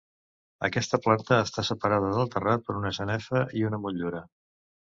Aquesta planta està separada del terrat per una sanefa i una motllura.